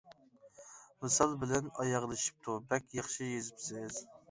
-ۋىسال بىلەن ئاياغلىشىپتۇ. بەك ياخشى يېزىپسىز!